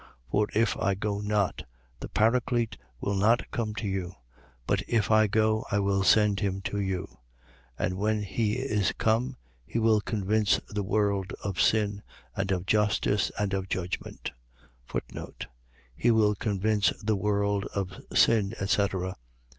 For if I go not, the Paraclete will not come to you: but if I go, I will send him to you. 16:8. And when he is come, he will convince the world of sin and of justice and of judgment. He will convince the world of sin, etc. ..